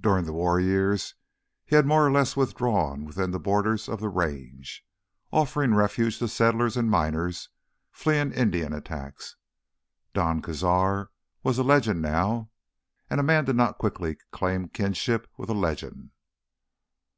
During the war years he had more or less withdrawn within the borders of the Range, offering refuge to settlers and miners fleeing Indian attacks. Don Cazar was a legend now, and a man did not quickly claim kinship with a legend.